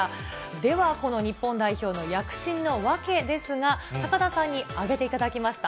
では、この日本代表の躍進の訳ですが、高田さんに挙げていただきました。